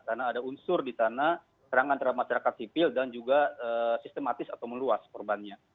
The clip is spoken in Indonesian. karena ada unsur di tanah serangan terhadap masyarakat sivil dan juga sistematis atau meluas korbannya